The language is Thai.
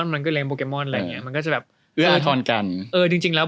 มันก็เลี้ยงโปเกมมอนอะไรอย่างเงี้ยมันก็จะแบบเออจริงจริงแล้ว